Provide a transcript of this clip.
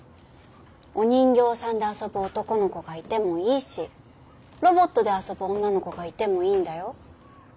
お人形さんで遊ぶ男の子がいてもいいしロボットで遊ぶ女の子がいてもいいんだよ。